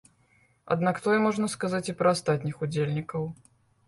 Аднак тое можна сказаць і пра астатніх удзельнікаў.